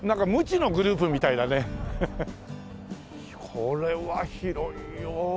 これは広いよ。